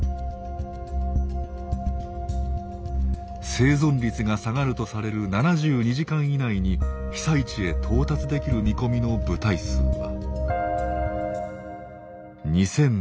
生存率が下がるとされる７２時間以内に被災地へ到達できる見込みの部隊数は。